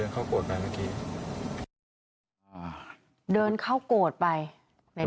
ใช่เดินเข้าโกรธไปเมื่อกี้